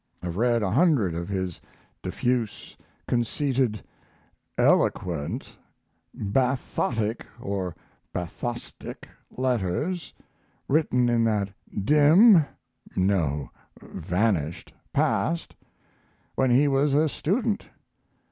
Have read a hundred of his diffuse, conceited, "eloquent," bathotic (or bathostic) letters, written in that dim (no, vanished) past, when he was a student.